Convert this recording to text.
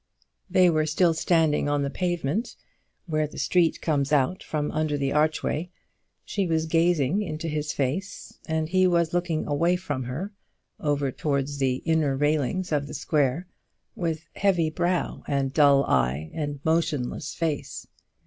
They were still standing on the pavement, where the street comes out from under the archway. She was gazing into his face, and he was looking away from her, over towards the inner railings of the square, with heavy brow and dull eye and motionless face.